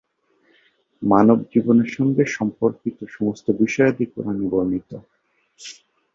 এগুলো হিমবাহের খাড়া পৃষ্ঠের অধিকাংশ এলাকা জুড়ে রয়েছে।